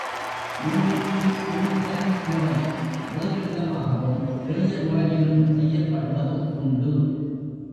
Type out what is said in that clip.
ஊனுக்கு ஊன் தரும் முறை வேறு விதமாகவும் எளிய முறையிலும் செய்யப்படுவதும் உண்டு.